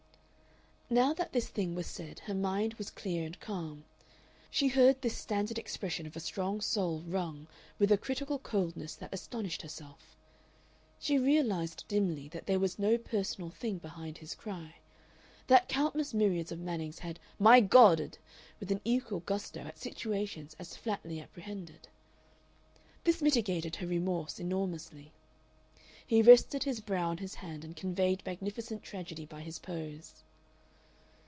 Now that this thing was said her mind was clear and calm. She heard this standard expression of a strong soul wrung with a critical coldness that astonished herself. She realized dimly that there was no personal thing behind his cry, that countless myriads of Mannings had "My God!" ed with an equal gusto at situations as flatly apprehended. This mitigated her remorse enormously. He rested his brow on his hand and conveyed magnificent tragedy by his pose.